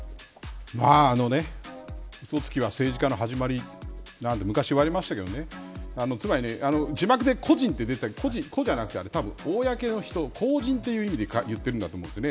うそつきは政治家の始まりなんて、昔、言われましたけどつまり字幕で個人って出てきたけど個人ではなくて、公の人公人という意味で言ってるんだと思うんです。